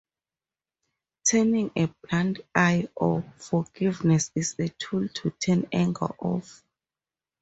Turning a blind eye or forgiveness is a tool to turn anger off.